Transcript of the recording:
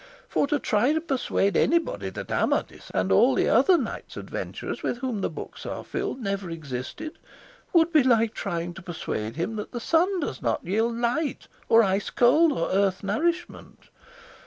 For to try to persuade anybody that Amadis, and all the other knights adventurers with whom the books are filled, never existed, would be like trying to persuade him that the sun does not yield light, or ice cold, or earth nourishment.